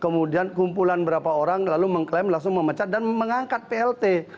kemudian kumpulan berapa orang lalu mengklaim langsung memecat dan mengangkat plt